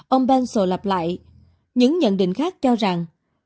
ông pencil lặp lại những nhận định khác cho rằng